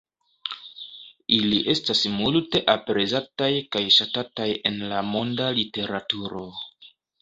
Ili estas multe aprezataj kaj ŝatataj en la monda literaturo.